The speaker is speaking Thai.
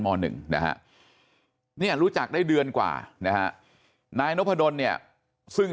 ม๑นะฮะเนี่ยรู้จักได้เดือนกว่านะฮะนายนพดลเนี่ยซึ่ง